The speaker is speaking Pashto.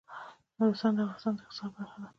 نورستان د افغانستان د اقتصاد برخه ده.